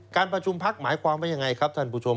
การประชุมพักหมายความว่ายังไงครับท่านผู้ชม